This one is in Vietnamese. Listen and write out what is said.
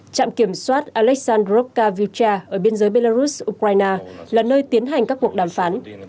trạm kiểm soát aleksandrovka viltcha ở biên giới belarus ukraine là nơi tiến hành các cuộc đàm phán